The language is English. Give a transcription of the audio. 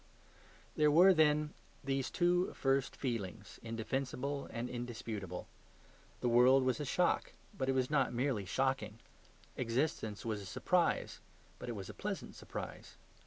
There were, then, these two first feelings, indefensible and indisputable. The world was a shock, but it was not merely shocking; existence was a surprise, but it was a pleasant surprise.